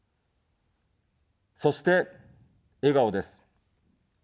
そして、笑顔です。